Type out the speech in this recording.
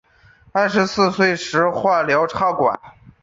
二十四岁时化疗插管